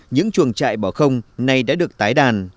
những chuồng trại bỏ không nay đã được tái đàn